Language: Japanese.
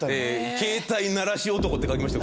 「携帯鳴らし男」って書きました。